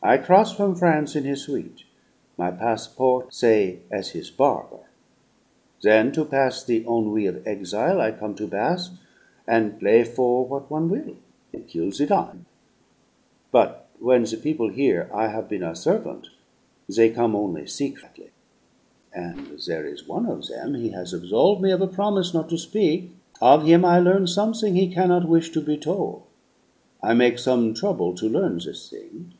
I cross from Prance in his suite; my passport say as his barber. Then to pass the ennui of exile, I come to Bath and play for what one will. It kill the time. But when the people hear I have been a servant they come only secretly; and there is one of them he has absolve' me of a promise not to speak of him I learn something he cannot wish to be tol'. I make some trouble to learn this thing.